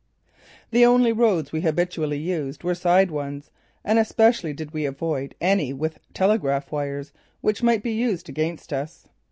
The only roads we habitually used were side ones, and especially did we avoid any with telegraph wires which might be used against us.